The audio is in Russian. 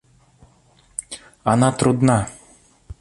Она трудна.